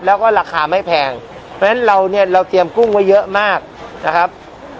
แล้วก็ราคาไม่แพงเพราะฉะนั้นเราเนี่ยเราเตรียมกุ้งไว้เยอะมากนะครับ